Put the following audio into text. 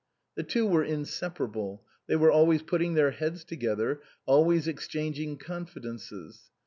The two were inseparable ; they were always putting their heads together, always exchanging confidences.